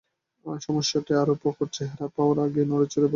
সমস্যাটা আরও প্রকট চেহারা পাওয়ার আগেই নড়েচড়ে বসতে হবে শিক্ষা মন্ত্রণালয়কে।